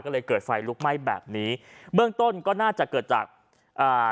ก็เลยเกิดไฟลุกไหม้แบบนี้เบื้องต้นก็น่าจะเกิดจากอ่า